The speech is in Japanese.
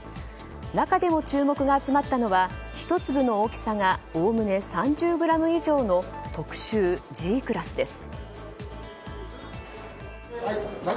中でも注目が集まったのは１粒の大きさがおおむね３０ｇ以上の特秀Ｇクラスです。